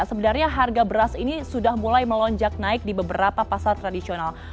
sebenarnya harga beras ini sudah mulai melonjak naik di beberapa pasar tradisional